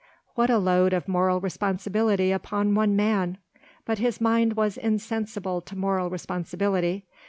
'" What a load of moral responsibility upon one man! But his mind was insensible to moral responsibility.